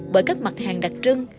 bởi các mặt hàng đặc trưng